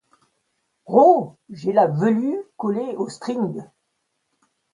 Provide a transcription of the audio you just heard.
Rho j'ai la velue collée au string.